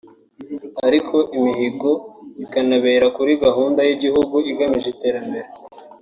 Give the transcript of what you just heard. Ariko imihigo ikanareba kuri gahunda y’igihugu igamije iterambere